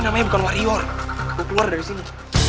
namanya bukan wario keluar dari sini